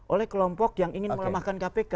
oleh kelompok yang ingin melemahkan kpk